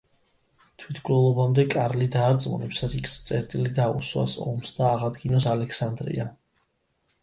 თვითმკვლელობამდე, კარლი დაარწმუნებს რიკს წერტილი დაუსვას ომს და აღადგინოს ალექსანდრია.